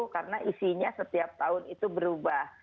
karena isinya setiap tahun itu berubah